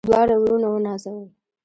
دواړه وروڼه ونازول.